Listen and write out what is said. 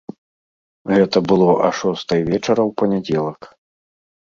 Гэта было а шостай вечара ў панядзелак.